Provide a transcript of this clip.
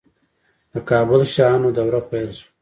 د کابل شاهانو دوره پیل شوه